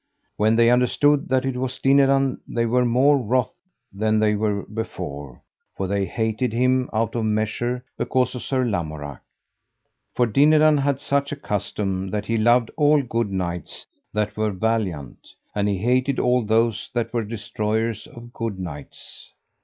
When they understood that it was Dinadan they were more wroth than they were before, for they hated him out of measure because of Sir Lamorak. For Dinadan had such a custom that he loved all good knights that were valiant, and he hated all those that were destroyers of good knights.